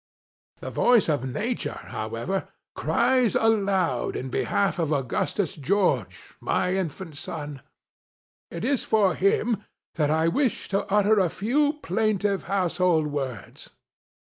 The voice of Nature, however, cries aloud in behalf of Augustus George, my infant son. It is for him that I wish to utter a few plain tive household words.